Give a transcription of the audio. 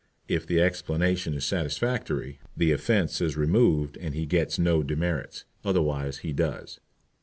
If the explanation is satisfactory, the offence is removed and he gets no demerits, otherwise he does.